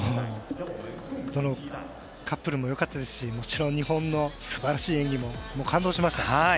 どのカップルもよかったですしもちろん日本の素晴らしい演技も感動しました。